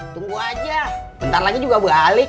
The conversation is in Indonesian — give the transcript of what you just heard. tunggu aja bentar lagi juga balik